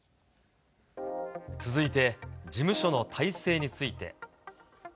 続いて事務所の体制について。